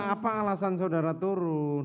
apa alasan saudara turun